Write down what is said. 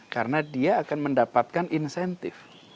karena dia akan mendapatkan insentif